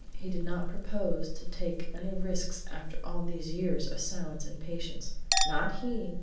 He did not propose to take any risks after all these years of silence and patience. Not he!